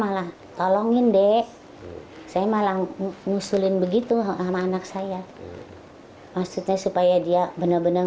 malah tolongin dek saya malah ngusulin begitu sama anak saya maksudnya supaya dia benar benar